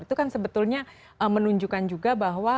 itu kan sebetulnya menunjukkan juga bahwa